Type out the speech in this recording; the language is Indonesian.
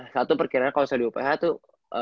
satu perkiranya kalau misalnya di ubaya tuh